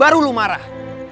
baru lu marah